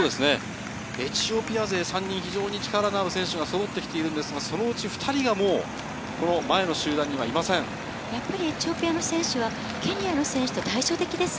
エチオピア勢３人、力のある選手がそろっていますが、そのうち２人が、もう前の集団にいませエチオピアの選手はケニアの選手と対照的です。